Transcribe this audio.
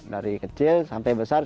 dari kecil sampai besar